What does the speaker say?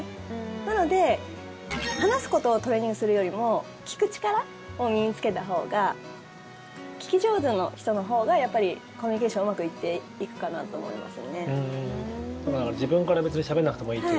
なので、話すことをトレーニングするよりも聞く力を身に着けたほうが聞き上手の人のほうがコミュニケーションうまくいくかなと思いますね。